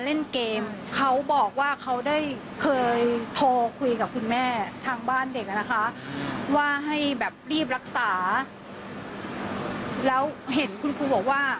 ฟังเสียงคุณแม่และก็น้องที่เสียชีวิตค่ะ